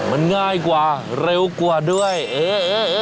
มันง่ายกว่าเร็วกว่าด้วยเออ